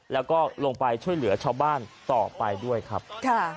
แล้วก็ลงไปช่วยเหลือชาวบ้านต่อไปด้วยครับค่ะ